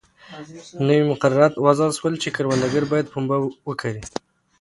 نوي مقررات وضع شول چې کروندګر باید پنبه وکري.